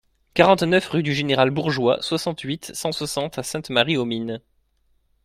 quarante-neuf rue du Général Bourgeois, soixante-huit, cent soixante à Sainte-Marie-aux-Mines